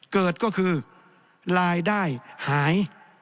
เกิดก็คือรายได้หาย